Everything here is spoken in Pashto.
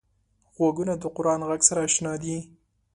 غوږونه د قران غږ سره اشنا دي